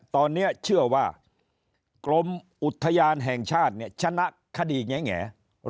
ตอนนี้เชื่อว่ากรมอุทยานแห่งชาติชนะคดีแง่